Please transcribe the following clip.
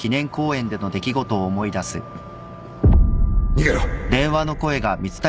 逃げろ！